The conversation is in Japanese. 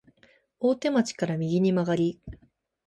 大手町駅から右に曲がり、